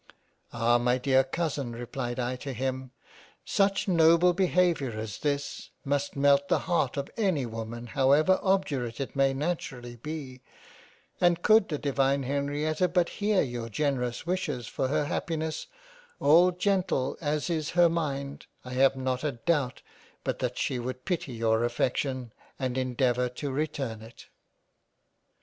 " Ah ! my dear Cousin replied I to him, such noble be haviour as this, must melt the heart of any woman however obdurate it may naturally be ; and could the divine Hen rietta but hear your generous wishes for her happiness, all gentle as is her mind, I have not a doubt but that she would pity your affection and endeavour to return it."